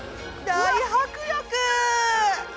大迫力。